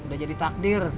udah jadi takdir